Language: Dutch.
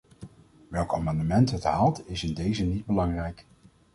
Welk amendement het haalt, is in dezen niet belangrijk.